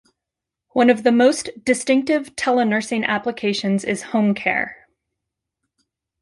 One of the most distinctive telenursing applications is home care.